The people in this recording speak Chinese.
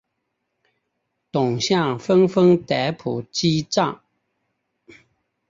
董相纷纷逮捕击杖。